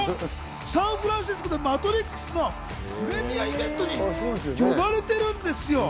サンフランシスコで『マトリックス』のプレミアイベントに呼ばれてるんですよ。